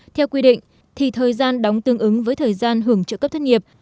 theo quy định thì thời gian đóng tương ứng với thời gian hưởng trợ cấp thất nghiệp